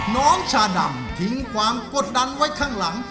น้องชาดำทิ้งความกดดันไว้ข้างหลัง